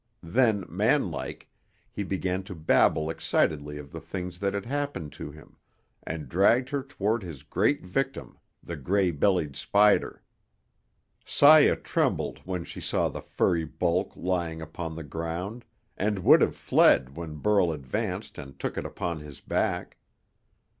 Then, manlike, he began to babble excitedly of the things that had happened to him, and dragged her toward his great victim, the gray bellied spider. Saya trembled when she saw the furry bulk lying upon the ground, and would have fled when Burl advanced and took it upon his back.